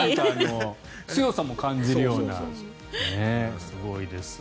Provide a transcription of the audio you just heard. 強さも感じるようなすごいです。